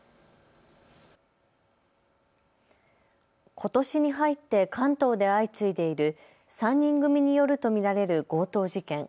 ことしに入って関東で相次いでいる３人組によると見られる強盗事件。